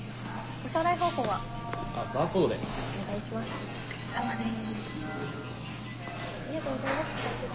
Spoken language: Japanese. お疲れさまです。